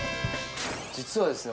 実はですね